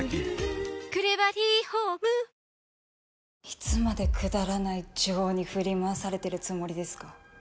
いつまでくだらない情に振り回されてるつもりですか？